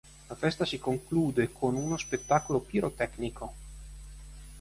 La festa si conclude con uno spettacolo pirotecnico.